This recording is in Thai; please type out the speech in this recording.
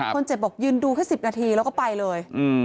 คนเจ็บบอกยืนดูแค่๑๐นาทีแล้วก็ไปเลย